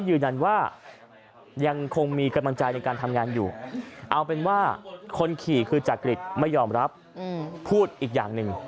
เอาเป็นว่าคนขี่คือจักริดไม่ยอมรับพูดอีกอย่างหนึ่ง